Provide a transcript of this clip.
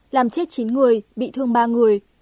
làm chết chín người bị thương ba người